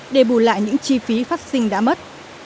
để bù lại những chi phí phát sinh đã mất